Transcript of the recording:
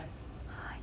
はい。